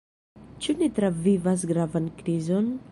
Ĉu ni travivas gravan krizon?